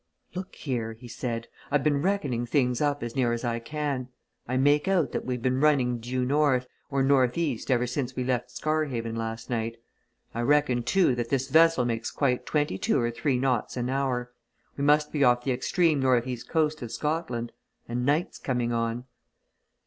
"Look here!" he said. "I've been reckoning things up as near as I can. I make out that we've been running due north, or north east ever since we left Scarhaven last night. I reckon, too, that this vessel makes quite twenty two or three, knots an hour. We must be off the extreme north east coast of Scotland. And night's coming on!"